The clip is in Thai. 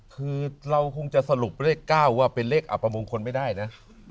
คือเราคงจะสรุปเลข๙ว่าเป็นเลขอับประมงคลไม่ได้นะ